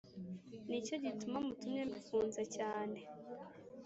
Ni cyo gituma mutumye mbikunze cyane